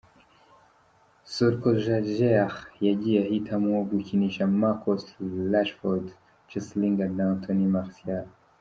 Solskjaer yagiye ahitamwo gukinisha Marcus Rashford, Jesse Lingard na Anthony Martial.